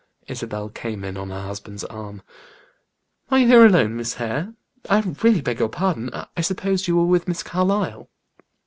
Isabel came in on her husband's arm. "Are you here alone, Miss Hare? I really beg your pardon. I supposed you were with Miss Carlyle."